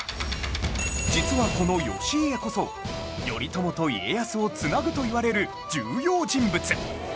実はこの義家こそ頼朝と家康を繋ぐといわれる重要人物！